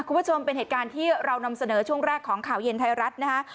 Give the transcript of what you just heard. คุณผู้ชมเป็นเหตุการณ์ที่เรานำเสนอช่วงแรกของข่าวเย็นไทยรัฐนะฮะ